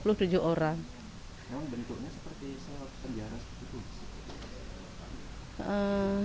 memang bentuknya seperti saya penjara seperti itu